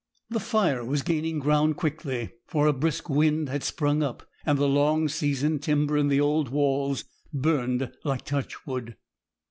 The fire was gaining ground quickly, for a brisk wind had sprung up, and the long seasoned timber in the old walls burnt like touchwood.